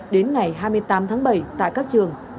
đến ngày hai mươi tám tháng bảy tại các trường